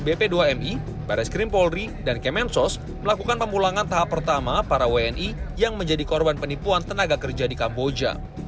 bp dua mi baris krim polri dan kemensos melakukan pemulangan tahap pertama para wni yang menjadi korban penipuan tenaga kerja di kamboja